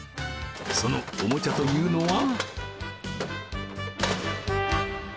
そのおもちゃというのは？